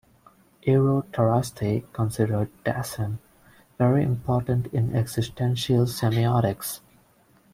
Eero Tarasti considered "Dasein" very important in "Existential Semiotics".